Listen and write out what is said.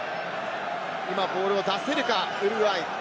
今ボールを出せるかウルグアイ。